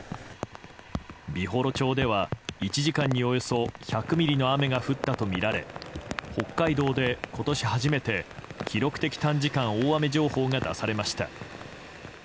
美幌町では１時間におよそ１００ミリの雨が降ったとみられ北海道で今年初めて記録的短時間大雨情報が出されました。